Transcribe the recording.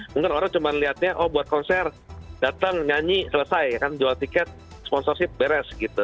mungkin orang cuma lihatnya oh buat konser datang nyanyi selesai jual tiket sponsorship beres gitu